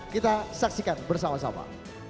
kita saksikan bersama sama